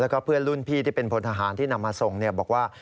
แล้วก็เพื่อนรุ่นพี่ที่เป็นพลทหารที่นำมาส่งบอกว่า